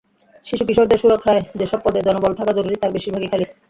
শিশু-কিশোরদের সুরক্ষায় যেসব পদে জনবল থাকা জরুরি তার বেশির ভাগই খালি।